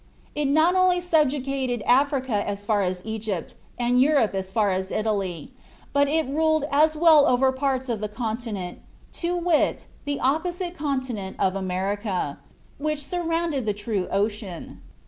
It not only subjugated Africa as far as Egypt, and Europe as far as Italy, but it ruled "as well over parts of the continent," to wit, "the opposite continent" of America, "which surrounded the true ocean."